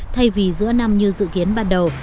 thay vì giữa năm như dự kiến ban đầu